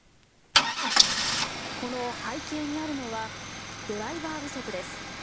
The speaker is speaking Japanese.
この背景にあるのはドライバー不足です。